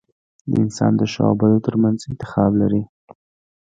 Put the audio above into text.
• انسان د ښو او بدو ترمنځ انتخاب لري.